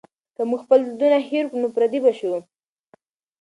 که موږ خپل دودونه هېر کړو نو پردي به شو.